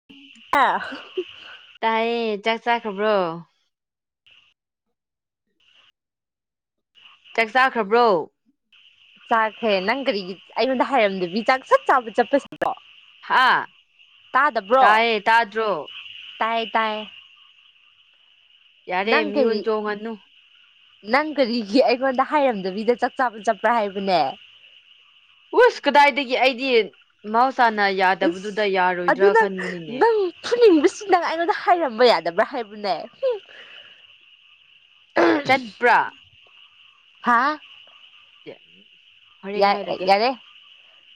[unintelligible] ꯇꯥꯏꯌꯦ ꯆꯥꯛ ꯆꯥꯈ꯭ꯔꯕ꯭ꯔꯣ ꯆꯥꯛ ꯆꯥꯈ꯭ꯔꯕ꯭ꯔꯣ ꯆꯥꯈ꯭ꯔꯦ ꯅꯪ ꯀꯔꯤꯒꯤ ꯑꯩꯉꯣꯟꯗ ꯍꯥꯏꯔꯝꯗꯕꯤ ꯆꯥꯛ ꯁꯠ ꯆꯥꯕ ꯆꯠꯄꯁꯤꯗꯣ ꯍꯥꯥ ꯇꯥꯏꯌꯦ ꯇꯥꯗ꯭ꯔꯣ ꯇꯥꯏ ꯇꯥꯏ ꯌꯥꯔꯦ ꯅꯪ ꯃꯤꯍꯨꯟ ꯀꯔꯤ ꯆꯣꯡꯉꯅꯨ ꯅꯪ ꯀꯔꯤꯒꯤ ꯑꯩꯉꯣꯟꯗ ꯍꯥꯏꯔꯝꯗꯕꯤꯗ ꯆꯥꯛ ꯆꯥꯕ ꯆꯠꯄ꯭ꯔꯥ ꯍꯥꯏꯕꯅꯦ ꯋꯨꯁ ꯀꯗꯥꯏꯗꯒꯤ ꯑꯩꯗꯤ ꯃꯍꯧꯁꯥꯅ ꯌꯥꯗꯕꯗꯨꯗ ꯌꯥꯔꯣꯏꯗ꯭ꯔꯥ ꯈꯟꯕꯅꯤꯅꯦ ꯐꯨꯅꯤꯡꯕꯁꯤꯅ ꯑꯩꯉꯣꯟꯗ ꯍꯥꯏꯔꯝꯕ ꯌꯥꯗꯕ꯭ꯔꯥ ꯍꯥꯏꯕꯅꯦ [unintelligible] ꯆꯠꯄ꯭ꯔꯥ ꯍꯥꯥ [unintelligible] ꯌꯥ ꯍꯥꯏꯔꯒꯦ ꯌꯥꯔꯦ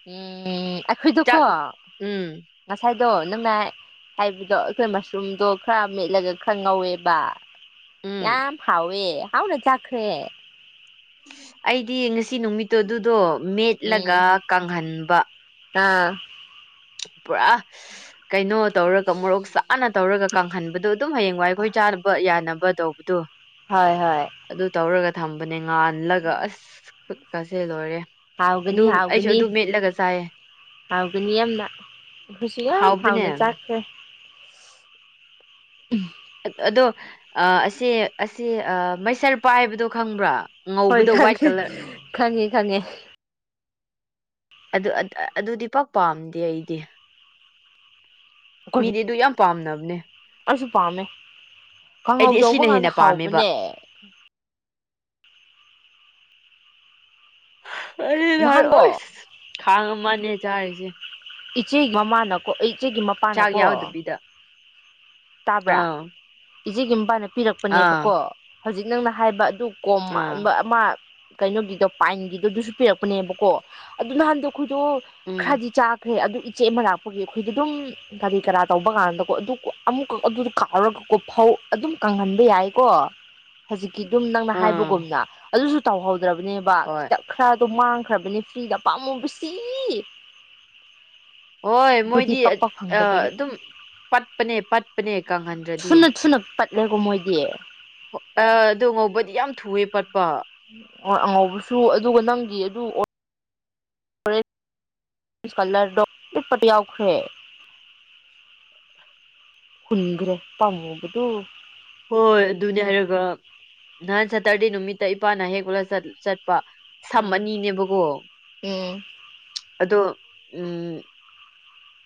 ꯎꯝ ꯑꯩꯈꯣꯏꯗꯣꯀꯣ ꯆꯥꯛ ꯎꯝ ꯉꯁꯥꯏꯗꯣ ꯅꯪꯅ ꯍꯥꯏꯕꯗꯣ ꯑꯩꯈꯣꯏ ꯃꯁꯔꯨꯝꯗꯣ ꯈꯔ ꯃꯦꯠꯂꯒ ꯈꯔ ꯉꯧꯋꯦꯕ ꯎꯝ ꯌꯥꯝ ꯍꯥꯎꯋꯦ ꯍꯥꯎꯅ ꯆꯥꯈ꯭ꯔꯦ ꯑꯩꯗꯤ ꯉꯁꯤ ꯅꯨꯃꯤꯠꯇꯨ ꯑꯗꯨꯗꯣ ꯎꯝ ꯃꯦꯠꯂꯒ ꯀꯪꯍꯟꯕ ꯑꯥ ꯄꯨꯔꯥ ꯀꯩꯅꯣ ꯇꯧꯔꯒ ꯃꯣꯔꯣꯛ ꯆꯥꯛ ꯑꯥꯟꯅ ꯇꯧꯔꯒ ꯀꯪꯍꯟꯕꯗꯣ ꯑꯗꯨꯝ ꯍꯌꯦꯡ ꯋꯥꯏ ꯑꯩꯈꯣꯏ ꯆꯥꯅꯕ ꯌꯥꯅꯕ ꯇꯧꯕꯗꯨ ꯍꯣꯏ ꯍꯣꯏ ꯑꯗꯨ ꯇꯧꯔꯒ ꯊꯝꯕꯅꯦ ꯉꯥꯜꯂꯒ ꯑꯁ ꯈꯨꯠꯀꯁꯦ ꯂꯣꯏꯔꯦ ꯑꯗꯨ ꯍꯥꯎꯒꯅꯤ ꯑꯩꯁꯨ ꯑꯗꯨ ꯍꯥꯎꯒꯅꯤ ꯃꯦꯠꯂꯒ ꯆꯥꯏꯌꯦ ꯍꯥꯎꯒꯅꯤ ꯌꯥꯝꯅ ꯑꯩꯈꯣꯏꯁꯨ ꯌꯥꯝ ꯍꯥꯎꯕꯅꯦ ꯍꯥꯎꯅ ꯆꯥꯈ꯭ꯔꯦ ꯎꯝ ꯑꯗꯣ ꯑ ꯑꯁꯤ ꯑꯁꯤ ꯑ ꯃꯩꯁꯔ ꯄꯥꯏꯕꯗꯨ ꯈꯪꯕ꯭ꯔꯥ ꯍꯣꯏ ꯉꯧꯕꯗꯣ ꯋꯥꯏꯠ ꯈꯪꯉꯦ ꯀꯂꯔ ꯈꯪꯉꯦ ꯈꯪꯉꯦ ꯑꯗꯨ ꯑꯗꯨꯗꯤ ꯄꯥꯛ ꯄꯥꯝꯗꯦ ꯑꯩꯗꯤ ꯃꯤꯗꯤ ꯑꯗꯨ ꯌꯥꯝ ꯄꯥꯝꯅꯕꯅꯦ ꯑꯩꯁꯨ ꯄꯥꯝꯃꯦ ꯑꯩꯗꯤ ꯀꯥꯡꯍꯧ ꯑꯁꯤꯅ ꯇꯧꯕ ꯀꯥꯟꯗ ꯍꯦꯟꯅ ꯄꯥꯝꯃꯦꯕ ꯍꯥꯎꯕꯅꯦ ꯑꯩ ꯅꯍꯥꯟꯀꯣ ꯍꯔꯣꯏ ꯈꯥꯡ ꯑꯃꯥꯟꯅꯦ ꯆꯥꯔꯤꯁꯦ ꯏꯆꯦꯒꯤ ꯃꯃꯥꯅꯀꯣ ꯑꯩ ꯏꯆꯦꯒꯤ ꯃ ꯆꯥꯛ ꯌꯥꯎꯗꯕꯤꯗ ꯇꯥꯕ꯭ꯔꯥ ꯑꯥ ꯏꯆꯦꯒꯤ ꯃꯄꯥꯅ ꯑꯥ ꯄꯤꯔꯛꯄꯅꯦꯕꯀꯣ ꯍꯧꯖꯤꯛ ꯅꯪꯅ ꯍꯥꯏꯕ ꯑꯗꯨ ꯀꯣꯝ ꯑꯥ ꯑꯃ ꯀꯩꯅꯣꯒꯤꯗꯣ ꯄꯥꯏꯟꯒꯤꯗꯣ ꯑꯗꯨꯁꯨ ꯄꯤꯔꯛꯄꯅꯦꯕꯀꯣ ꯑꯗꯨ ꯅꯍꯥꯟꯗꯣ ꯈꯗꯣ ꯎꯝ ꯈꯔꯗꯤ ꯆꯥꯛ ꯐꯦ ꯑꯗꯨ ꯏꯆꯦ ꯑꯃ ꯂꯥꯛꯄꯒꯤ ꯑꯩꯈꯣꯏꯗꯤ ꯑꯗꯨꯝ ꯀꯔꯤ ꯀꯔꯥ ꯇꯧꯕ ꯀꯥꯟꯗꯀꯣ ꯑꯗꯨ ꯑꯃꯨꯛꯀ ꯑꯗꯨꯗꯣ ꯀꯥꯎꯔꯒꯀꯣ ꯐꯧ ꯑꯗꯨꯝ ꯀꯪꯍꯟꯕ ꯌꯥꯏꯀꯣ ꯍꯧꯖꯤꯛꯀꯤ ꯑꯗꯨꯝ ꯅꯪꯅ ꯑꯥ ꯍꯥꯏꯕꯒꯨꯝꯅ ꯑꯗꯨꯁꯨ ꯇꯧꯍꯧꯗ꯭ꯔꯕꯅꯦꯕ ꯍꯣꯏ ꯈꯤꯇꯪ ꯈꯔꯗꯣ ꯃꯥꯡꯈ꯭ꯔꯕꯅꯤ ꯐ꯭ꯔꯤꯗ ꯄꯥꯝꯃꯨꯕꯁꯤ ꯍꯣꯏ ꯃꯣꯏꯗꯤ ꯑ ꯄꯛꯄ ꯐꯪꯗꯕꯒꯤ ꯑꯗꯨꯝ ꯄꯠꯄꯅꯦ ꯄꯠꯄꯅꯦ ꯀꯪ ꯊꯨꯅ ꯊꯨꯅ ꯄꯠꯂꯦꯀꯣ ꯃꯣꯏꯗꯤ ꯑ ꯑꯗꯣ ꯉꯧꯕꯗꯤ ꯌꯥꯝ ꯊꯨꯋꯦ ꯄꯠꯄ ꯑꯣ ꯑꯉꯧꯕꯁꯨ ꯑꯗꯨꯒ ꯅꯪꯒꯤ ꯑꯗꯨ ꯀꯂꯔꯗꯣ ꯌꯥꯎꯈ꯭ꯔꯦ ꯍꯨꯟꯒ꯭ꯔꯦ ꯄꯥꯝꯃꯨꯕꯗꯨ ꯍꯣꯏ ꯑꯗꯨꯅꯦ ꯍꯥꯏꯔꯒ ꯅꯍꯥꯟ ꯁꯇꯔꯗꯦ ꯅꯨꯃꯤꯠꯇ ꯏꯄꯥꯅ ꯍꯦꯛꯂꯒ ꯆꯠ ꯆꯠꯄ꯫ ꯁꯝ ꯎꯝ ꯑꯅꯤꯅꯦꯕꯀꯣ ꯎꯝ ꯑꯗꯣ ꯎꯝ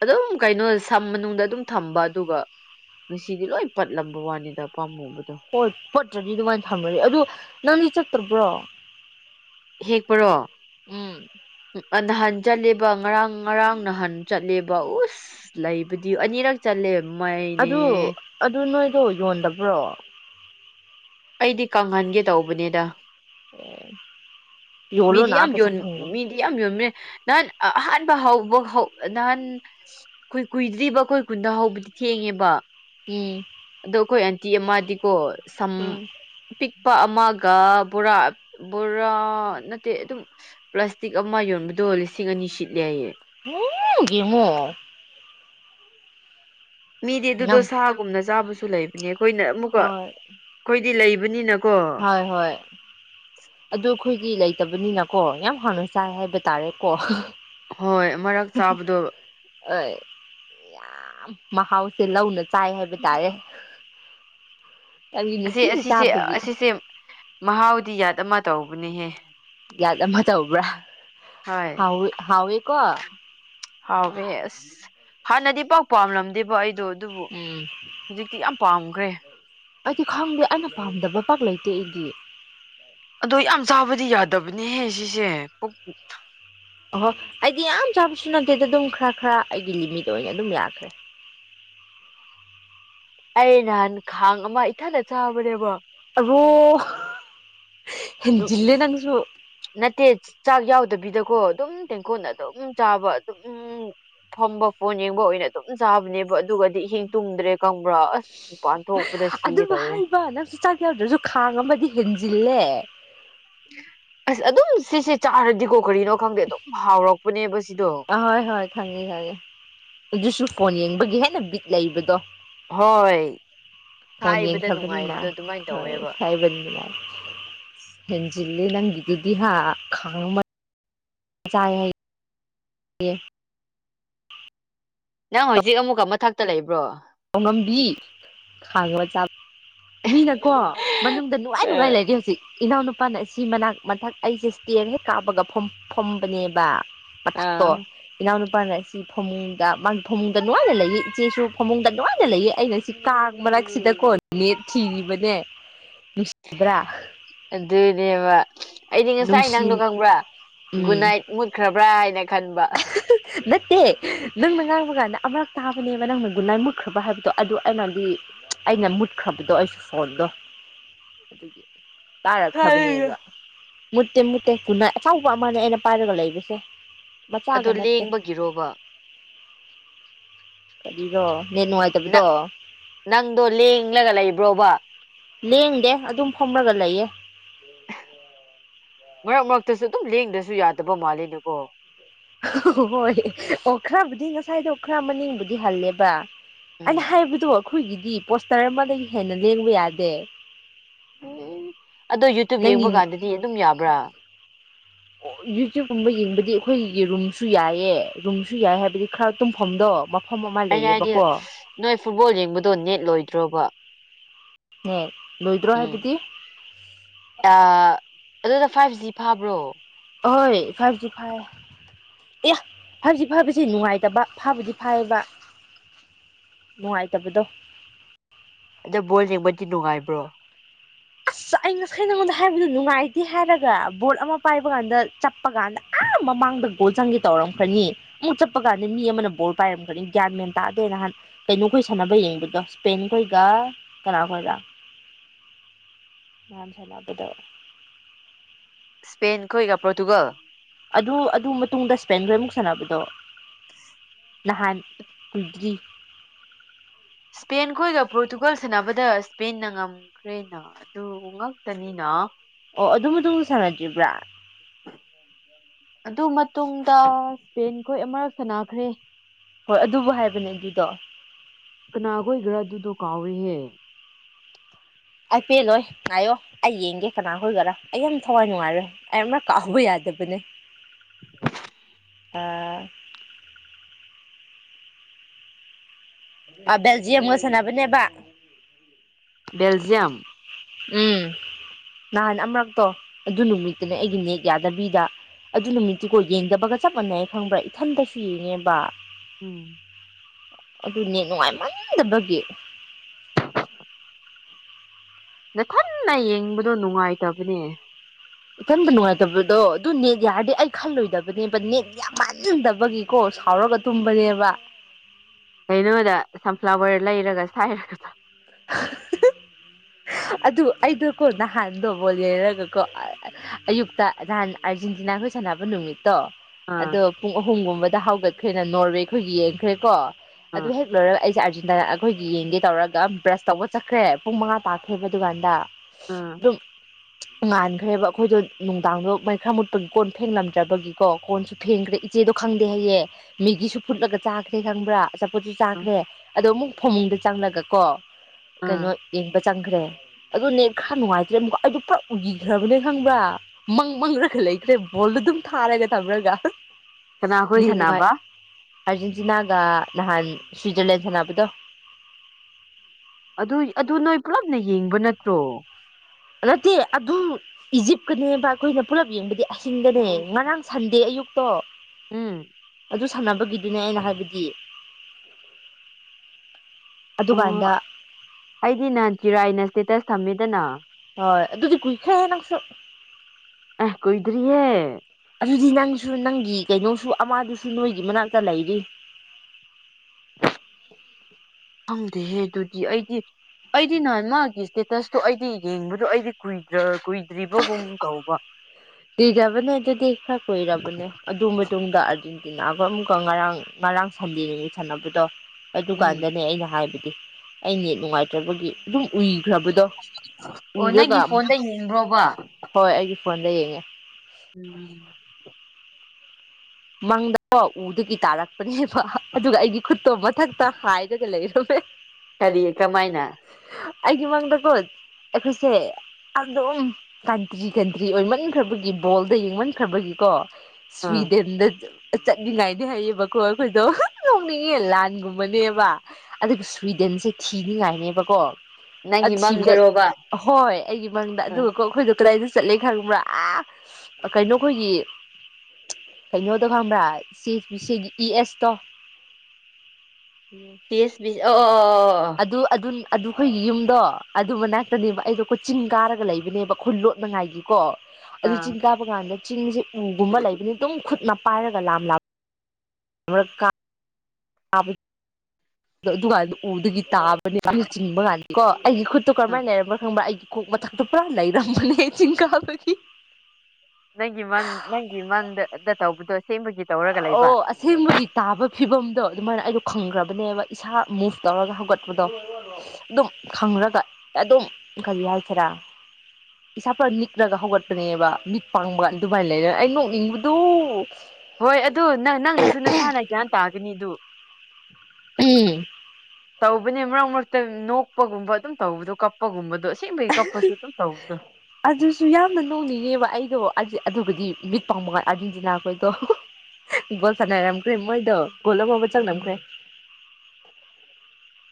ꯑꯗꯨꯝ ꯀꯩꯅꯣ ꯁꯝ ꯃꯅꯨꯡꯗ ꯑꯗꯨꯝ ꯊꯝꯕ ꯑꯗꯨꯒ ꯉꯁꯤꯗꯤ ꯂꯣꯏ ꯄꯠꯂꯝꯕ ꯋꯥꯅꯤꯗ ꯄꯥꯝꯃꯨꯕꯗꯣ꯫ ꯍꯣꯏ ꯄꯠꯇ꯭ꯔꯗꯤ ꯑꯗꯨꯃꯥꯏꯅ ꯊꯝꯃꯔ ꯑꯗꯨ ꯅꯪꯗꯤ ꯆꯠꯇꯕ꯭ꯔꯣ ꯍꯦꯛꯄꯔꯣ ꯎꯝ ꯅꯍꯥꯟ ꯆꯠꯂꯦꯕ ꯉꯔꯥꯡ ꯉꯔꯥꯡ ꯅꯍꯥꯟ ꯆꯠꯂꯦꯕ ꯎꯁ ꯂꯩꯕꯗꯤ ꯑꯅꯤꯔꯛ ꯆꯠꯂꯦ ꯃꯥꯏꯅꯦ ꯑꯗꯨ ꯑꯗꯨ ꯅꯣꯏꯗꯣ ꯌꯣꯟꯗꯕ꯭ꯔꯣ ꯑꯩꯗꯤ ꯀꯪꯍꯟꯒꯦ ꯇꯧꯕꯅꯦꯗ꯫ ꯃꯤꯗꯤ ꯌꯣꯜꯂꯣꯅ ꯌꯥꯝ ꯌꯣꯟ ꯄꯩꯁꯥ ꯐꯪꯒꯅꯤ ꯃꯤꯗꯤ ꯌꯥꯝ ꯌꯣꯝꯃꯦ ꯅꯍꯥꯟ ꯑ‌ ꯑꯍꯥꯟꯕ ꯍꯧꯕ ꯍꯧ ꯅꯍꯥꯟ ꯈꯣꯏ ꯀꯨꯏꯗ꯭ꯔꯤꯕ ꯑꯩꯈꯣꯏ ꯀꯨꯟꯗ ꯍꯧꯕꯗꯤ ꯊꯦꯡꯉꯦꯕ ꯎꯝ ꯑꯗꯣ ꯑꯩꯈꯣꯏ ꯑꯟꯇꯤ ꯑꯃꯗꯤꯀꯣ ꯁꯝ ꯎꯝ ꯑꯄꯤꯛꯄ ꯑꯃꯒ ꯕꯣꯔꯥ ꯕꯣꯔꯥ ꯅꯠꯇꯦ ꯑꯗꯨꯝ ꯄ꯭ꯂꯥꯁꯇꯤꯛ ꯑꯃ ꯌꯣꯟꯕꯗꯣ ꯂꯤꯁꯤꯡ ꯑꯅꯤ ꯁꯤꯠꯂꯦꯌꯦ꯫ [unintelligible] ꯌꯦꯡꯉꯣ ꯃꯤꯗꯤ ꯑꯗꯨꯗꯣ ꯅꯪ ꯁꯥꯒꯨꯝꯅ ꯆꯥꯕꯁꯨ ꯂꯩꯕꯅꯦ ꯑꯩꯈꯣꯏꯅ ꯑꯃꯨꯛꯀ ꯍꯣꯏ ꯈꯣꯏꯗꯤ ꯂꯩꯕꯅꯤꯅꯀꯣ ꯍꯣꯏ ꯍꯣꯏ ꯑꯗꯨ ꯑꯩꯈꯣꯏꯒꯤ ꯂꯩꯇꯕꯅꯤꯅꯀꯣ ꯌꯥꯝ ꯍꯥꯎꯅ ꯆꯥꯏ ꯍꯥꯏꯕ ꯇꯥꯔꯦꯀꯣ꯫ ꯍꯣꯏ ꯃꯔꯛ ꯆꯥꯕꯗꯣ ꯑꯢ ꯌꯥꯝ ꯃꯍꯥꯎꯁꯦ ꯂꯧꯅ ꯆꯥꯏ ꯍꯥꯏꯕ ꯇꯥꯔꯦ ꯅꯪꯒꯤ ꯑꯁꯤ ꯅꯨꯡꯇꯤꯅ ꯑꯁꯤꯁꯦ ꯆꯥꯕꯒꯤ ꯑꯁꯤꯁꯦ ꯃꯍꯥꯎꯗꯤ ꯌꯥꯠ ꯑꯃ ꯇꯧꯕꯅꯦꯍꯦ ꯌꯥꯠ ꯑꯃ ꯇꯧꯕ꯭ꯔꯥ ꯍꯣꯏ ꯍꯥꯎꯋꯤ ꯍꯥꯎꯋꯦꯀꯣ ꯍꯥꯎꯋꯦ ꯑꯁ ꯍꯥꯟꯅꯗꯤ ꯄꯥꯛ ꯄꯥꯝꯂꯝꯗꯦꯕꯣ ꯑꯩꯗꯣ ꯑꯗꯨꯕꯨ ꯎꯝ ꯍꯧꯖꯤꯛꯇꯤ ꯌꯥꯝ ꯄꯥꯝꯒ꯭ꯔꯦ꯫ ꯑꯩꯗꯤ ꯈꯪꯗꯦ ꯑꯩꯅ ꯄꯥꯝꯗꯕ ꯄꯥꯛ ꯂꯩꯇꯦ ꯑꯩꯗꯤ꯫ ꯑꯗꯣ ꯌꯥꯝ ꯆꯥꯕꯗꯤ ꯌꯥꯗꯕꯅꯦꯍꯦ ꯁꯤꯁꯦ ꯑꯍꯣ ꯑꯩꯗꯤ ꯌꯥꯝ ꯆꯥꯕꯁꯨ ꯅꯠꯇꯦꯗ ꯑꯗꯨꯝ ꯈꯔ ꯈꯔ ꯑꯩꯒꯤ ꯂꯤꯃꯤꯠ ꯑꯣꯏꯅ ꯑꯗꯨꯝ ꯌꯥꯈ꯭ꯔꯦ꯫ ꯑꯩ ꯅꯍꯥꯟ ꯈꯥꯡ ꯑꯃ ꯏꯊꯟꯅ ꯆꯥꯕꯅꯦꯕ [unintelligible] ꯍꯦꯟꯖꯤꯜꯂꯦ [unintelligible] ꯅꯪꯁꯨ ꯅꯠꯇꯦ ꯆꯥꯛ ꯌꯥꯎꯗꯕꯤꯗꯀꯣ ꯑꯗꯨꯝ ꯇꯦꯡꯀꯣꯠꯅ ꯑꯗꯨꯝ ꯆꯥꯕ ꯑꯗꯨꯝ ꯐꯝꯕ ꯐꯣꯟ ꯌꯦꯡꯕ ꯑꯣꯏꯅ ꯑꯗꯨꯝ ꯆꯥꯕꯅꯦꯕ ꯑꯗꯨꯒꯗꯤ ꯏꯍꯤꯡ ꯇꯨꯝꯗ꯭ꯔꯦ ꯈꯪꯕ꯭ꯔꯥ ꯑꯁ ꯃꯄꯥꯟ ꯊꯣꯛꯄꯗ ꯁꯤꯒꯦ ꯇꯧꯋꯦ꯫ [unintelligible] ꯌꯎꯗ꯭ꯔꯁꯨ ꯈꯥꯡ ꯑꯃꯗꯤ ꯍꯦꯟꯖꯤꯜꯂꯦ ꯑꯁ ꯑꯗꯨꯝ ꯁꯤꯁꯦ ꯆꯥꯔꯗꯤꯀꯣ ꯀꯔꯤꯅꯣ ꯈꯪꯗꯦ ꯑꯗꯨꯝ ꯍꯥꯎꯔꯛꯄꯅꯦꯕ ꯁꯤꯗꯣ ꯑꯍꯥꯏ ꯍꯥꯏ ꯈꯪꯉꯤ ꯈꯪꯉꯤ ꯑꯗꯨꯁꯨ ꯐꯣꯟ ꯌꯦꯡꯕꯒꯤ ꯍꯦꯟꯅ ꯕꯤꯠ ꯂꯩꯕꯗꯣ ꯍꯣꯏ ꯐꯣꯟ ꯁꯥꯏꯕꯗ ꯌꯦꯡꯈ꯭ꯔꯕꯅꯤꯅ ꯅꯨꯡꯉꯥꯏꯕꯗꯣ ꯑꯗꯨꯃꯥꯏꯅ ꯍꯣꯏ ꯇꯧꯋꯦꯕ ꯁꯥꯏꯕꯅꯤꯅ ꯍꯦꯟꯖꯤꯂꯤ ꯅꯪꯒꯤꯗꯨꯗꯤ ꯍꯥ ꯈꯪꯃꯜ ꯆꯥꯢ ꯍꯥꯏ ꯑꯦ ꯅꯪ ꯍꯧꯖꯤꯛ ꯑꯃꯨꯛꯀ ꯃꯊꯛꯇ ꯂꯩꯕ꯭ꯔꯣ ꯇꯧꯉꯝꯕꯤ ꯈꯥꯡ ꯃꯆꯥ ꯃꯤꯅꯀꯣ ꯃꯅꯨꯡꯗ ꯅꯨꯡꯉꯥꯏ ꯑ ꯅꯨꯡꯉꯥꯏ ꯂꯩꯔꯦ ꯍꯧꯖꯤꯛ ꯏꯅꯥꯎ ꯅꯨꯄꯥꯅ ꯑꯁꯤ ꯃꯅꯥꯛ ꯃꯊꯛ ꯑꯩꯁꯦ ꯏꯁꯇꯦꯔ ꯍꯦꯛ ꯀꯥꯞꯄꯒ ꯐꯝ ꯐꯝꯕꯅꯦꯕ ꯃꯊꯛꯇꯣ ꯑꯥ ꯏꯅꯥꯎ ꯅꯨꯄꯥꯅ ꯁꯤ ꯐꯃꯨꯡꯗ ꯃꯥꯒꯤ ꯐꯃꯨꯡꯗ ꯅꯨꯡꯉꯥꯏꯅ ꯂꯩꯌꯦ ꯏꯆꯦꯁꯨ ꯐꯃꯨꯡꯗ ꯅꯨꯡꯉꯥꯏꯅ ꯂꯩꯌꯦ ꯑꯩꯅ ꯁꯤ ꯀꯥꯡ ꯃꯔꯛꯁꯤꯗꯀꯣ ꯅꯦꯠ ꯊꯤꯔꯤꯕꯅꯦ ꯅꯨꯡꯁꯤꯗꯔꯥ ꯑꯗꯨꯅꯦꯕ ꯑꯩꯗꯤ ꯉꯁꯥꯏ ꯅꯪꯗꯣ ꯅꯨꯡꯁꯤ ꯈꯪꯕꯔꯥ ꯒꯨꯗ ꯎꯝ ꯅꯥꯏꯠ ꯃꯨꯠꯈꯕ꯭ꯔꯥ ꯍꯥꯏꯅ ꯈꯟꯕ ꯅꯠꯇꯦ ꯅꯪꯅ ꯉꯥꯡꯕ ꯀꯥꯟꯗ ꯑꯃꯔꯛ ꯇꯥꯕꯅꯦꯕ ꯅꯪꯅ ꯒꯨꯠ ꯅꯏꯠ ꯃꯨꯠꯈ꯭ꯔꯕ ꯍꯥꯏꯕꯗꯣ ꯑꯗꯨ ꯑꯩꯅꯗꯤ ꯑꯩꯅ ꯃꯨꯠꯈ꯭ꯔꯕꯗꯣ ꯑꯩꯁꯨ ꯐꯣꯟꯗꯣ ꯑꯗꯨꯒꯤ ꯇꯥꯔꯛꯈ꯭ꯔꯕꯅꯦꯕ ꯃꯨꯠꯇꯦ ꯃꯨꯠꯇꯦ ꯒꯨꯠ ꯅꯏꯠ ꯑꯆꯥꯎꯕ ꯑꯃꯅꯦ ꯑꯩꯅ ꯄꯥꯏꯔꯒ ꯂꯩꯕꯁꯦ ꯑꯗꯣ ꯃꯆꯥꯒ ꯅꯠꯇꯦ ꯂꯦꯡꯕꯒꯤꯔꯣꯕ ꯀꯔꯤꯔꯣ ꯅꯦꯠ ꯅꯪ ꯅꯨꯡꯉꯥꯏꯇꯕꯗꯣ ꯅꯪꯗꯣ ꯂꯦꯡꯂꯒ ꯂꯩꯕ꯭ꯔꯣꯕ ꯂꯦꯡꯗꯦ ꯑꯗꯨꯝ ꯐꯝꯃꯒ ꯂꯩꯌꯦ ꯃꯔꯛ ꯃꯔꯛꯇꯁꯨ ꯑꯗꯨꯝ ꯂꯦꯡꯗ꯭ꯔꯁꯨ ꯌꯥꯗꯕ ꯃꯥꯜꯂꯦꯅꯀꯣ ꯍꯣꯏ ꯑꯣ ꯈꯔꯕꯨꯗꯤ ꯉꯁꯥꯏꯗꯣ ꯈꯔ ꯃꯅꯤꯡꯕꯨꯗꯤ ꯍꯜꯂꯦꯕ ꯎꯝ ꯑꯩꯅ ꯍꯥꯏꯕꯗꯣ ꯑꯩꯈꯣꯏꯒꯤꯗꯤ ꯄꯣꯁꯇꯔ ꯑꯃꯗꯒꯤ ꯍꯦꯟꯅ ꯂꯦꯡꯕ ꯌꯥꯗꯦ ꯎꯝ ꯑꯗꯣ ꯌꯨꯇ꯭ꯌꯨꯕ ꯌꯦꯡꯕ ꯅꯪꯒꯤ ꯀꯥꯟꯗꯗꯤ ꯑꯗꯨꯝ ꯌꯥꯕꯔꯥ ꯑꯣ ꯌꯨꯇ꯭ꯌꯨꯕ ꯀꯨꯝꯕ ꯌꯦꯡꯕꯗꯤ ꯑꯩꯈꯣꯏꯒꯤ ꯔꯨꯝꯁꯨ ꯌꯥꯏꯌꯦ ꯔꯨꯝꯁꯨ ꯌꯥꯏ ꯍꯥꯏꯕꯗꯤ ꯈꯔ ꯇꯨꯝꯐꯝꯗꯣ ꯃꯐꯝ ꯑꯃ ꯑꯩꯅ ꯍꯥꯏꯗꯤ ꯂꯩꯌꯦꯕꯀꯣ ꯅꯣꯏ ꯐꯨꯠꯕꯣꯜ ꯌꯦꯡꯕꯗꯣ ꯅꯦꯠ ꯂꯣꯏꯗ꯭ꯔꯣꯕ ꯅ ꯂꯣꯏꯗ꯭ꯔꯣ ꯍꯥꯏꯕꯗꯤ ꯑ ꯑꯗꯨꯗ ꯐꯥꯏꯚ ꯖꯤ ꯐꯥꯕ꯭ꯔꯣ ꯑꯣꯏ ꯐꯥꯏꯚ ꯖꯤ ꯐꯥꯏꯌꯦ ꯑꯦ ꯐꯥꯏꯚ ꯖꯤ ꯐꯕꯁꯤ ꯅꯨꯡꯉꯥꯏꯇꯕ ꯐꯥꯕꯨꯗꯤ ꯐꯥꯏꯌꯦꯕ ꯅꯨꯡꯉꯥꯏꯇꯕꯗꯣ ꯑꯗꯣ ꯕꯣꯜ ꯌꯦꯡꯕꯗꯤ ꯅꯨꯡꯉꯥꯏꯕ꯭ꯔꯣ ꯑꯁ ꯑꯩ ꯉꯁꯥꯏ ꯅꯉꯣꯟꯗ ꯍꯥꯏꯕꯗꯨ ꯅꯨꯡꯉꯥꯏꯇꯦ ꯍꯥꯏꯔꯒ ꯕꯣꯜ ꯑꯃ ꯄꯥꯏꯕ ꯀꯥꯟꯗ ꯆꯞꯄ ꯀꯥꯟꯗ ꯑ ꯃꯃꯥꯡꯗ ꯒꯣꯜ ꯆꯪꯒꯦ ꯇꯧꯔꯝꯈꯅꯤ ꯃꯨꯛ ꯆꯠꯄ ꯀꯥꯟꯗ ꯃꯤ ꯑꯃꯅ ꯕꯣꯜ ꯄꯥꯏꯔꯝꯒꯅꯤ ꯒ꯭ꯌꯥꯟ ꯃꯦꯟ ꯇꯥꯗꯦ ꯅꯍꯥꯟ ꯀꯩꯅꯣꯈꯣꯏ ꯁꯥꯟꯅꯕ ꯌꯦꯡꯕꯗꯣ ꯁ꯭ꯄꯦꯟ ꯈꯣꯏꯒ ꯀꯅꯥꯈꯣꯏꯒ ꯉꯍꯥꯟ ꯁꯥꯟꯅꯕꯗꯣ ꯁ꯭ꯄꯦꯟ ꯈꯣꯏꯒ ꯄꯣꯔꯇꯨꯒꯜ ꯑꯗꯨ ꯑꯗꯨ ꯃꯇꯨꯡꯗ ꯁ꯭ꯄꯦꯟ ꯒꯣꯏ ꯑꯃꯨꯛ ꯁꯥꯟꯅꯕꯗꯣ ꯅꯍꯥꯟ ꯀꯨꯏꯗ꯭ꯔꯤ ꯁ꯭ꯄꯦꯟ ꯈꯣꯏꯒ ꯄꯣꯔꯇꯨꯒꯜ ꯁꯥꯟꯅꯕꯗ ꯏꯁ꯭ꯄꯦꯟꯅ ꯉꯝꯈ꯭ꯔꯦꯅ ꯑꯗꯨ ꯉꯥꯛꯇꯅꯤꯅ ꯑꯣ ꯑꯗꯨꯝ ꯑꯗꯨꯝ ꯁꯥꯟꯅꯒꯤꯕ꯭ꯔꯥ ꯑꯗꯨ ꯃꯇꯨꯡꯗ ꯁ꯭ꯄꯦꯟ ꯈꯣꯏ ꯑꯃꯔꯛ ꯁꯥꯟꯅꯈ꯭ꯔꯦ ꯍꯣꯏ ꯑꯗꯨꯕꯨ ꯍꯥꯏꯕꯅꯦ ꯑꯗꯨꯗꯣ ꯀꯅꯥ ꯒꯣꯏꯒꯤꯔꯥ ꯑꯗꯨꯗꯣ ꯀꯥꯎꯔꯦꯅꯦ ꯑꯩ ꯄꯦꯜꯂꯣꯏ ꯉꯥꯏꯌꯣ ꯑꯩ ꯌꯦꯡꯒꯦ ꯀꯅꯥ ꯈꯣꯏꯒꯔꯥ ꯑꯩ ꯌꯥꯝ ꯊꯋꯥꯏ ꯅꯨꯡꯉꯥꯏꯔꯣꯏ ꯑꯩ ꯑꯃꯔꯛ ꯀꯥꯥꯎꯕ ꯌꯥꯗꯕꯅꯦ [unintelligible] ꯑ ꯑ ꯕꯦꯜꯖꯤꯌꯝꯒ ꯁꯅꯕꯅꯦꯕ ꯕꯦꯜꯖꯤꯌꯝ ꯎꯝ ꯅꯍꯥꯟ ꯑꯃꯨꯔꯛꯇꯣ ꯑꯗꯨ ꯅꯨꯃꯤꯠꯇꯨꯅꯦ ꯑꯩꯒꯤ ꯅꯦꯛ ꯌꯥꯗꯕꯤꯗ ꯑꯗꯨ ꯅꯨꯃꯤꯠꯇꯨꯀꯣ ꯌꯦꯡꯗꯕꯒ ꯆꯞ ꯃꯥꯟꯅꯩ ꯈꯪꯕ꯭ꯔꯥ ꯏꯊꯟꯇꯁꯨ ꯌꯦꯡꯉꯦꯕ ꯎꯝ ꯑꯗꯨꯅꯦ ꯅꯨꯡꯉꯥꯏꯃꯟꯗꯕꯒꯤ ꯅꯊꯟꯅ ꯌꯦꯡꯕꯗꯣ ꯅꯨꯡꯉꯥꯏꯇꯕꯅꯦ ꯏꯊꯟꯇ ꯅꯨꯡꯉꯥꯏꯇꯕꯗꯣ ꯑꯗꯨ ꯅꯦꯠ ꯌꯥꯔꯗꯤ ꯑꯩ ꯈꯜꯂꯣꯏꯗꯕꯅꯦꯕ ꯅꯦꯠ ꯌꯥꯝ ꯃꯥꯟꯍꯟꯗꯕꯒꯤ ꯀꯣ ꯁꯥꯎꯔꯒ ꯇꯨꯝꯕꯅꯦꯕ ꯀꯩꯅꯣꯗ ꯁꯟꯐ꯭ꯂꯥꯋꯔ ꯂꯩꯔꯒ ꯁꯥꯏꯔꯒ [unintelligible] ꯑꯗꯨ ꯑꯩꯗꯣꯀꯣ ꯅꯍꯥꯟꯗꯣꯕꯨꯣ ꯂꯩꯦꯔꯒꯀꯣ ꯑꯌꯨꯛꯇ ꯅꯍꯥꯟ ꯑꯔꯖꯦꯟꯇꯤꯅꯥ ꯍ ꯁꯥꯟꯅꯕ ꯅꯨꯃꯤ ꯇꯣ ꯑꯥ ꯑꯗꯣ ꯄꯨꯡ ꯑꯍꯨꯝꯒꯨꯝꯕꯗ ꯍꯧꯒꯠꯈ꯭ꯔꯦꯅ ꯅꯣꯔꯋꯦꯈꯣꯏ ꯌꯦꯡꯈ꯭ꯔꯦꯀꯣ ꯑꯗꯨ ꯑꯥ ꯍꯦꯛ ꯂꯣꯏꯔꯒ ꯑꯩꯁꯦ ꯑꯥꯔꯖꯦꯟꯇꯅꯥ ꯑꯩꯈꯣꯏꯒꯤ ꯌꯦꯡꯒꯦ ꯇꯧꯔꯒ ꯕ꯭ꯔꯁ ꯇꯧꯕ ꯆꯠꯈ꯭ꯔꯦ ꯄꯨꯡ ꯃꯉꯥ ꯇꯥꯈ꯭ꯔꯦꯕ ꯗꯨꯀꯥꯟꯗ ꯑꯥ ꯑꯗꯨꯝ ꯉꯥꯟꯈ꯭ꯔꯦꯕ ꯑꯩꯈꯣꯏꯗꯣ ꯅꯨꯡꯗꯥꯡꯗꯣ ꯃꯩ ꯈꯔ ꯃꯨꯠꯄꯒꯤ ꯀꯣꯟ ꯐꯦꯡꯂꯝꯗ꯭ꯔꯕꯒꯤꯀꯣ ꯀꯣꯟꯁꯨ ꯐꯦꯡꯈ꯭ꯔꯦ ꯏꯆꯦꯗꯣ ꯈꯪꯗꯦ ꯍꯌꯦꯦ ꯃꯦꯒꯤꯁꯨ ꯐꯨꯠꯂꯒ ꯆꯥꯈ꯭ꯔꯦ ꯈꯪꯕ꯭ꯔꯥ ꯄꯣꯠꯇ ꯑꯥ ꯆꯥꯈ꯭ꯔꯦ ꯑꯗꯣ ꯑꯃꯨꯛ ꯐꯃꯨꯡꯗ ꯆꯪꯂꯒ ꯀꯣ ꯑꯥ ꯀꯩꯅꯣ ꯌꯦꯡꯕ ꯆꯪꯈ꯭ꯔꯦ ꯑꯗꯨꯅꯦ ꯈꯔ ꯅꯨꯡꯉꯥꯏꯇ꯭ꯔꯦ ꯑꯃꯨꯛꯀ ꯑꯩꯗ ꯄꯨꯔ ꯎꯈꯤꯈ꯭ꯔꯕꯅꯦ ꯈꯪꯕ꯭ꯔꯥ ꯃꯪ ꯃꯪꯂꯒ ꯂꯩꯈ꯭ꯔꯦ ꯕꯣꯜꯗꯣ ꯑꯗꯨꯝ ꯊꯥꯔꯒ ꯊꯝꯔꯒ ꯀꯅꯥꯈꯣꯏ ꯅꯨꯡꯉꯥꯏ ꯁꯥꯟꯅꯕ ꯑꯥꯔꯖꯦꯟꯇꯤꯅꯥꯒ ꯅꯍꯥꯟ ꯁ꯭ꯋꯤꯖꯔꯂꯦꯟ ꯁꯥꯟꯅꯕꯗꯣ ꯑꯗꯨ ꯑꯗꯨ ꯅꯣꯏ ꯄꯨꯂꯞꯅ ꯌꯦꯡꯕ ꯅꯠꯇ꯭ꯔꯣ ꯅꯠꯇꯦ ꯑꯗꯨ ꯏꯖꯤꯞꯀꯅꯦꯕ ꯑꯩꯈꯣꯏꯅ ꯄꯨꯂꯞ ꯌꯦꯡꯕꯗꯤ ꯑꯟꯒꯅꯦ ꯉꯔꯥꯡ ꯁꯟꯗꯦ ꯑꯌꯨꯛꯇꯣ ꯎꯝ ꯑꯗꯨ ꯁꯥꯟꯅꯕꯒꯤꯗꯨꯅꯦ ꯑꯩꯅ ꯍꯥꯏꯕꯗꯤ ꯑꯗꯨꯀꯥꯟꯗ ꯑꯣ ꯑꯩꯗꯤ ꯅꯟ ꯆꯤꯔꯥꯏꯅ ꯏꯁꯇꯦꯇꯁ ꯊꯝꯃꯦꯗꯅ ꯍꯣꯏ ꯑꯗꯨꯗꯤ ꯀꯨꯏ ꯈꯥꯏ ꯍꯥꯏꯦꯅ ꯁꯨ ꯑ ꯀꯣꯏꯗ꯭ꯔꯤꯌꯦ ꯑꯗꯨꯗꯤ ꯅꯪꯁꯨ ꯅꯪꯒꯤ ꯀꯩꯅꯣꯁꯨ ꯑꯃꯗꯨꯁꯨ ꯅꯣꯏꯒꯤ ꯃꯅꯥꯛꯇ ꯂꯩꯔꯤ ꯈꯪꯗꯦꯍꯦ ꯑꯗꯨꯗꯤ ꯑꯩꯗꯤ ꯑꯩꯗꯤ ꯅꯍꯥꯟ ꯃꯥꯒꯤ ꯏꯁꯇꯦꯇꯁꯇꯣ ꯑꯩꯗꯤ ꯌꯦꯡꯕꯗꯣ ꯑꯩꯗꯤ ꯀꯨꯏ ꯀꯨꯏꯗ꯭ꯔꯤꯕꯒꯨꯝ ꯀꯧꯕ ꯗꯤꯗꯕꯅꯦ ꯑꯗꯨꯗꯤ ꯏ ꯈꯥ ꯑꯣꯏꯔꯕꯅꯦ ꯑꯗꯨ ꯃꯇꯨꯡꯗ ꯑꯥꯔꯖꯦꯟꯇꯤꯅꯥꯒ ꯑꯃꯨꯛꯀ ꯉꯔꯥꯡ ꯉꯔꯥꯡ ꯁꯥꯟꯕꯤꯅꯤꯡꯉꯤ ꯁꯥꯟꯅꯕꯗꯣ ꯎꯝ ꯑꯗꯨꯀꯥꯟꯗꯅꯦ ꯑꯩꯅ ꯍꯥꯏꯕꯗꯤ ꯑꯩꯅ ꯅꯨꯡꯉꯥꯏꯇꯕꯒꯤ ꯑꯗꯨꯝ ꯎꯏ ꯎꯈ꯭ꯔꯕꯗꯣ ꯑꯣ ꯎꯏꯔꯒ ꯅꯪꯒꯤ ꯐꯣꯟꯗ ꯌꯦꯡꯕ꯭ꯔꯣꯕ ꯍꯣꯏ ꯑꯩꯒꯤ ꯐꯣꯟꯗ ꯌꯦꯡꯉꯦ ꯎꯝ ꯃꯪꯗ ꯎꯗꯒꯤ ꯇꯥꯔꯛꯄꯅꯦꯕ ꯑꯗꯨꯒ ꯑꯩꯒꯤ ꯈꯨꯠꯇꯣ ꯃꯊꯛꯇ ꯍꯥꯏꯔꯒ ꯂꯩꯔꯝꯃꯦ ꯀꯔꯤ ꯀꯃꯥꯏꯅ ꯑꯩꯒꯤ ꯃꯥꯡꯗꯀꯣ ꯑꯩꯈꯣꯏꯁꯦ ꯑꯗꯨꯝ ꯀꯟꯇ꯭ꯔꯤ ꯀꯟꯇ꯭ꯔꯤ ꯑꯣꯏꯃꯟꯈ꯭ꯔꯕꯒꯤ ꯕꯣꯜꯗ ꯌꯦꯡꯃꯟꯈ꯭ꯔꯕꯒꯤꯀꯣ ꯁꯋꯤꯗ ꯑꯥ ꯆꯠꯅꯤꯡꯉꯥꯏꯗꯤ ꯍꯥꯏꯌꯦꯕꯀꯣ ꯑꯩꯈꯣꯏꯗꯣ ꯅꯣꯡꯅꯤꯡꯉꯤ ꯂꯥꯟꯒꯨꯝꯕꯅꯦꯕ ꯑꯗꯨꯕꯨ ꯁ꯭ꯋꯤꯗꯦꯟꯁꯦ ꯊꯤꯅꯤꯡꯉꯥꯏꯅꯦꯕꯀꯣ ꯅꯪꯒꯤ ꯑꯊꯤꯕꯗ ꯃꯪꯗꯔꯣꯕ ꯍꯣꯏ ꯑꯩꯒꯤ ꯃꯪꯗ ꯑꯗꯨꯒꯀꯣ ꯑꯩꯈꯣꯏꯗꯣ ꯀꯗꯥꯏꯗ ꯆꯠꯂꯦ ꯈꯪꯕ꯭ꯔꯥ ꯑꯥ ꯑꯥ ꯀꯩꯅꯣꯈꯣꯏꯒꯤ ꯀꯩꯅꯣꯗꯣ ꯈꯪꯕ꯭ꯔꯥ ꯁꯤꯕꯤ ꯁꯤꯗꯤ ꯏ ꯑꯦꯁꯇꯣ ꯎꯝ ꯄꯦꯖ ꯕꯤꯁ ꯑꯣ ꯑꯣ ꯑꯣ ꯑꯣ ꯑꯣ ꯑꯣ ꯑꯣ ꯑꯣ ꯑꯗꯨ ꯑꯗꯨꯟ ꯑꯗꯨꯈꯣꯏꯒꯤ ꯌꯨꯝꯗꯣ ꯑꯗꯨ ꯃꯅꯥꯛꯇꯅꯦꯕ ꯑꯩꯗꯣ ꯀꯣꯏꯆꯤꯡ ꯀꯥꯔꯒ ꯂꯩꯕꯅꯦꯕ ꯈꯨꯟꯂꯣ ꯕꯉꯥꯏꯒꯤꯀꯣ ꯑꯗꯨ ꯑꯣ ꯆꯤꯡ ꯀꯥꯕ ꯀꯥꯟꯗ ꯆꯤꯡꯁꯦ ꯎꯒꯨꯝꯕ ꯂꯩꯕꯅꯤ ꯑꯗꯨꯝ ꯈꯨꯠꯅ ꯄꯥꯏꯔꯒ ꯂꯥꯝ ꯂꯥꯞ ꯔ ꯀꯥ ꯀꯥꯕꯩ ꯑꯗꯣ ꯑꯗꯨꯀꯥꯟꯗꯣ ꯎꯗꯒꯤ ꯇꯥꯕꯅꯦꯕ ꯌꯥꯝꯅ ꯆꯤꯟꯕ ꯀꯥꯟꯗꯦ ꯀꯣ ꯑꯩꯒꯤ ꯈꯨꯠꯇꯣ ꯑꯥ ꯀꯔꯝꯍꯥꯏꯅ ꯂꯩꯔꯝꯕ꯭ꯔꯥ ꯈꯪꯕ꯭ꯔꯥ ꯑꯩꯒꯤ ꯀꯣꯛ ꯃꯊꯛꯛꯇ ꯄꯨꯔꯥ ꯂꯩꯔꯝꯕꯅꯦ ꯆꯤꯡ ꯀꯥꯕꯒꯤ ꯅꯪꯒꯤ ꯃꯪ ꯅꯪꯒꯤ ꯃꯪꯗ ꯈꯛꯇ ꯇꯧꯕꯗꯣ ꯑꯁꯦꯡꯕꯒꯤ ꯇꯧꯔꯒ ꯑꯣ ꯂꯩꯕ ꯑꯥ ꯁꯦꯡꯕꯒꯤ ꯇꯥꯕ ꯐꯤꯕꯝꯗꯣ ꯑꯗꯨꯃꯥꯏꯅ ꯑꯩꯗꯣ ꯈꯪꯒꯔꯕꯅꯦꯕ ꯏꯁꯥ ꯃꯨꯚ ꯇꯧꯔꯒ ꯍꯧꯒꯠꯄꯗꯣ ꯑꯗꯨꯝ ꯈꯪꯒꯔꯒ ꯑꯗꯨꯝ ꯀꯔꯤ ꯍꯥꯏꯁꯤꯔꯥ ꯏꯁꯥ ꯄꯨꯔ ꯅꯤꯛꯂꯒ ꯍꯧꯒꯠꯄꯅꯦꯕ ꯃꯤꯠ ꯄꯥꯡꯕꯒ ꯑꯗꯨꯃꯥꯏ ꯂꯩꯔ ꯑꯩ ꯅꯣꯛꯅꯤꯡꯕꯗꯨ ꯍꯣꯏ ꯑꯗꯨ ꯅꯪ ꯅꯪꯅꯁꯨ ꯅꯁꯥꯅ ꯒꯌꯥꯟ ꯇꯥꯒꯅꯤꯗꯨ ꯎꯝ ꯇꯧꯕꯅꯦ ꯃꯔꯛ ꯃꯔꯛꯇ ꯅꯣꯛꯄꯒꯨꯝꯕ ꯑꯗꯨꯝ ꯇꯧꯕꯗꯣ ꯀꯞꯄꯒꯨꯝꯕꯗꯣ ꯑꯁꯦꯡꯕꯒꯤ ꯀꯞꯄꯁꯨ ꯑꯗꯨꯝ ꯇꯧꯕꯗꯣ ꯑꯗꯨꯁꯨ ꯌꯥꯝꯅ ꯅꯣꯡꯅꯤꯡꯉꯦꯕ ꯑꯩꯗꯣ [unintelligible] ꯑꯗꯨꯕꯨꯗꯤ ꯃꯤꯠ ꯄꯥꯡꯕꯒ ꯑꯥꯔꯖꯦꯟꯇꯤꯅꯥꯈꯣꯏꯗꯣ ꯕꯣꯜ ꯁꯥꯟꯅꯔꯝꯈ꯭ꯔꯦ ꯃꯣꯏꯗꯣ ꯒꯣꯜ ꯑꯃꯃ ꯆꯪꯗꯝꯈ꯭ꯔꯦ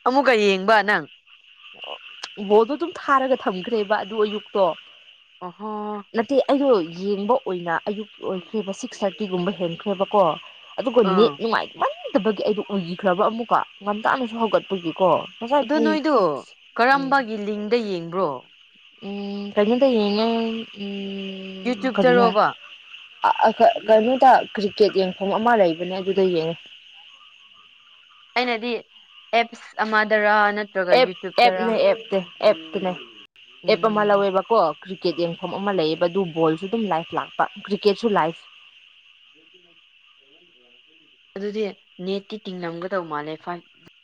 ꯑꯃꯨꯛꯀ ꯌꯦꯡꯕ ꯅꯪ ꯑꯣ ꯕꯣꯜꯗꯣ ꯑꯗꯨꯝ ꯊꯥꯔꯒ ꯊꯝꯈ꯭ꯔꯦꯕ ꯑꯗꯨ ꯑꯌꯨꯛꯇꯣ ꯑꯥꯍꯥ ꯅꯠꯇꯦ ꯑꯩꯗꯣ ꯌꯦꯡꯕ ꯑꯣꯏꯅ ꯑꯌꯨꯛ ꯑꯣꯏꯈ꯭ꯔꯦꯕ ꯁꯤꯛꯁ ꯊꯥꯔꯇꯤꯒꯨꯝꯕ ꯍꯦꯟꯈ꯭ꯔꯦꯕꯀꯣ ꯑꯗꯨꯒ ꯅꯦꯠ ꯑꯥ ꯅꯨꯡꯉꯥꯏꯃꯟꯗꯕꯒꯤ ꯑꯩꯗꯣ ꯑꯨꯏꯈ꯭ꯔꯕ ꯑꯃꯨꯛꯀ ꯉꯝꯇꯥꯅꯁꯨ ꯍꯧꯒꯠꯄꯒꯤꯀꯣ ꯉꯁꯥꯏ ꯄꯨꯡ ꯑꯣ ꯎꯝ ꯀꯔꯝꯕꯒꯤ ꯂꯤꯡꯗ ꯌꯦꯡꯕ꯭ꯔꯣ ꯎꯝ ꯀꯩꯅꯣꯗ ꯌꯦꯡꯉꯦ ꯎꯝ ꯀꯔꯤ ꯍꯥꯏ ꯌꯨꯇ꯭ꯌꯨꯕꯇꯔꯣꯕ ꯑꯥ ꯑꯥ ꯀ ꯀꯔꯤꯗ ꯀ꯭ꯔꯤꯀꯦꯠ ꯌꯦꯡꯐꯝ ꯑꯃ ꯂꯩꯕꯅꯦ ꯑꯗꯨꯗ ꯌꯦꯡꯉꯦ ꯑꯩꯅꯗꯤ ꯑꯦꯞꯁ ꯑꯃꯗꯔꯥ ꯑꯦꯞ ꯑꯦꯞ ꯅꯦ ꯑꯦꯞꯇꯦ ꯑꯦꯞꯇꯨꯅꯦ ꯑꯦꯄ ꯑꯃ ꯎꯝ ꯂꯧꯋꯦꯕ ꯀꯣ ꯀ꯭ꯔꯤꯛꯀꯦꯠ ꯌꯦꯡꯐꯝ ꯑꯃ ꯂꯩꯌꯦꯕ ꯑꯗꯨ ꯕꯣꯜꯁꯨ ꯑꯗꯨꯝ ꯂꯥꯏꯐ ꯂꯥꯛꯄ ꯀ꯭ꯔꯤꯛꯀꯦꯠꯁꯨ ꯂꯥꯏꯐ [inaudible] [unintelligible] ꯑꯗꯨꯗꯤ ꯅꯦꯠꯇꯤ ꯇꯤꯡꯂꯝꯒꯗꯧ ꯃꯥꯜꯂꯦ ꯐꯥꯏꯚ